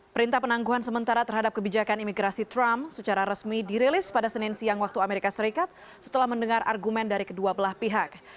perintah penangguhan sementara terhadap kebijakan imigrasi trump secara resmi dirilis pada senin siang waktu amerika serikat setelah mendengar argumen dari kedua belah pihak